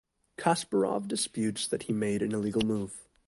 Kasparov disputes that he made an illegal move.